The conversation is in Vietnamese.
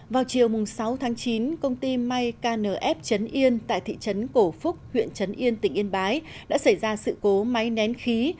vào chiều sáu tháng chín công ty may knf chấn yên tại thị trấn cổ phúc huyện trấn yên tỉnh yên bái đã xảy ra sự cố máy nén khí